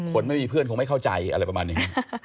คนไม่มีเพื่อนคงไม่เข้าใจอะไรประมาณอย่างนี้